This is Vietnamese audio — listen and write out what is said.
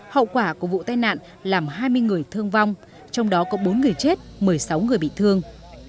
hậu quả của vụ tai nạn làm hai mươi người thương vong trong đó có bốn người chết một mươi sáu người bị thương